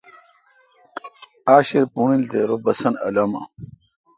آݭیر پݨیل تہ رو بسنت الامہ۔